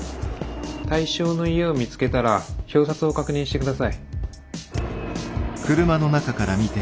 対象の家を見つけたら表札を確認して下さい。